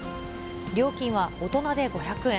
料金は大人で５００円。